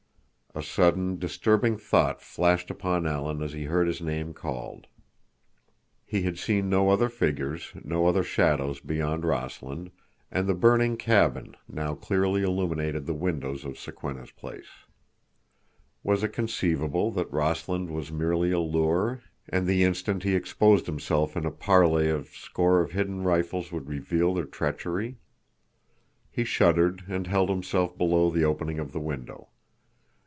A sudden disturbing thought flashed upon Alan as he heard his name called. He had seen no other figures, no other shadows beyond Rossland, and the burning cabin now clearly illumined the windows of Sokwenna's place. Was it conceivable that Rossland was merely a lure, and the instant he exposed himself in a parley a score of hidden rifles would reveal their treachery? He shuddered and held himself below the opening of the window.